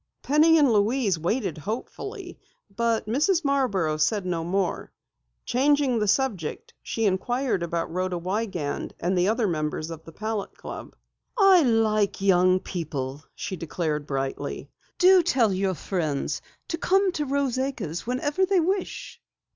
Penny and Louise waited hopefully, but Mrs. Marborough said no more. Changing the subject, she inquired about Rhoda Wiegand and the other members of the Palette Club. "I like young people," she declared brightly. "Do tell your friends to come to Rose Acres whenever they wish."